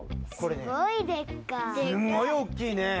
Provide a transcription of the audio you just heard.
すんごいおっきいね。